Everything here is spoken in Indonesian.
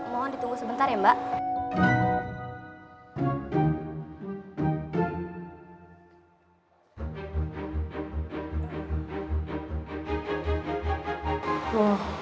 mohon ditunggu sebentar ya mbak